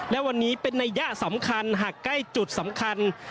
และวันนี้เป็นนัยยะสำคัญหากใกล้จุดสำคัญ